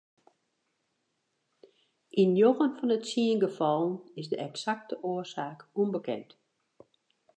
Yn njoggen fan de tsien gefallen is de eksakte oarsaak ûnbekend.